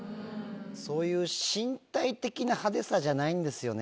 そういう身体的な派手さじゃないんですよね